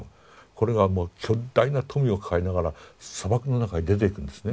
これがもう巨大な富を抱えながら砂漠の中に出ていくんですね。